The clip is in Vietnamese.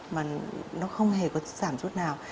mà nó không hề có giảm chút nào